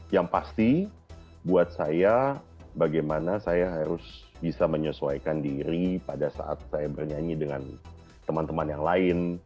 yang pasti buat saya bagaimana saya harus bisa menyesuaikan diri pada saat saya bernyanyi dengan teman teman yang lain